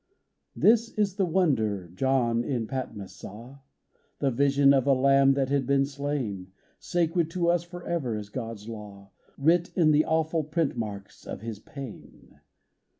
This is the wonder John in Patmos saw, — The vision of a Lamb that had been slain : Sacred to us forever is God's Law, Writ in the awful print marks of His pain